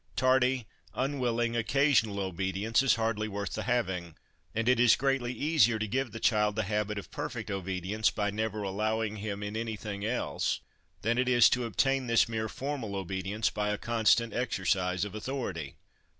Tardy, unwilling, occasional obedience is hardly worth the having ; and it is greatly easier to give the child the habit of perfect obedience by never allowing him in anything else, than it is to obtain this mere formal obedience by a 164 HOME EDUCATION constant exercise of authority.